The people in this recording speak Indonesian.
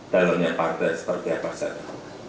dalamnya partai seperti apa saya tahu